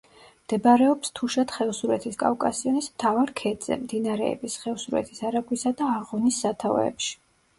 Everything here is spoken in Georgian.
მდებარეობს თუშეთ-ხევსურეთის კავკასიონის მთავარ ქედზე, მდინარეების ხევსურეთის არაგვისა და არღუნის სათავეებში.